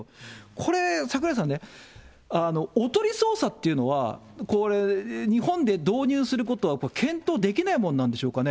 これ、櫻井さんね、おとり捜査っていうのは、これ、日本で導入することは検討できないものなんでしょうかね。